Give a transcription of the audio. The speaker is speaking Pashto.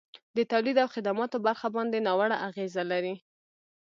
د تولید او خدماتو برخه باندي ناوړه اغیزه لري.